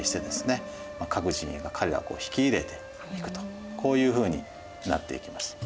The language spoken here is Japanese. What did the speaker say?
各陣営が彼らをこう引き入れていくとこういうふうになっていきます。